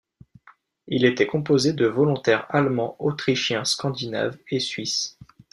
Il était composé de volontaires allemands, autrichiens, scandinaves et suisses.